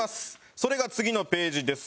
それが次のページです。